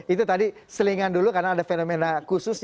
itu tadi selingan dulu karena ada fenomena khusus